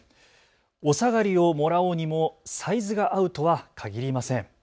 お下がりをもらおうにもサイズが合うとはかぎりません。